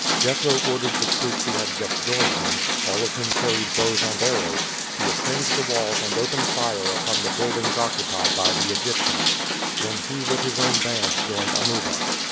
Jethro ordered the troops who had just joined him, all of whom carried bows and arrows, to ascend the walls and open fire upon the buildings occupied by the Egyptians. Then he with his own band joined Amuba.